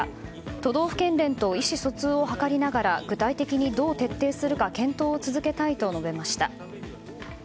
都道府県連と意思疎通を図りながら具体的にどう徹底するか検討を続けたいと述べました。